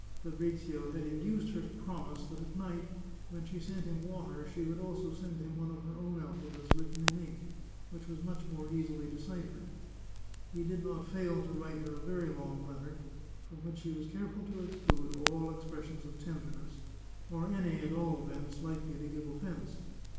Fabrizio had induced her to promise that at night, when she sent him water, she would also send him one of her own alphabets, written in ink, which was much more easily de ciphered. He did not fail to write her a very long letter, from which he was careful to exclude all expression of tenderness, or any, at all events, likely to give oflfence.